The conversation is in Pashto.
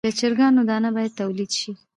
د چرګانو دانه باید تولید شي.